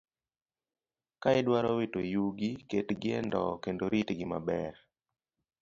Ka idwaro wito yugi, ketgi e ndowo kendo ritgi maber.